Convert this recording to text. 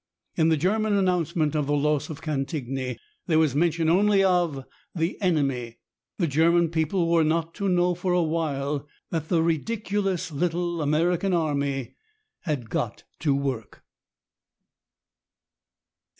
In the German announcement of the loss of Cantigny there was mention only of "the enemy." The German people were not to know for a while that the "ridiculous little American Army" had got to work.